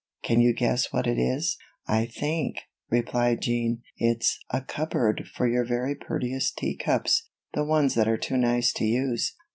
Can you guess what it is?" "I think," replied Jean, "it's a cupboard for your very prettiest tea cups the ones that are too nice to use."